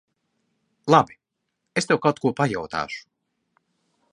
Labi. Es tev kaut ko pajautāšu.